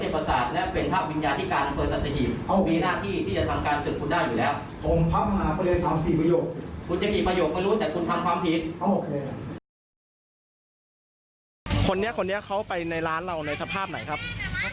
ผมก็กูประหลักวินายนิรัติบัญโยคเป็นเลยฐานการณ์เจ้าคณะตะเบิร์นสัตวิน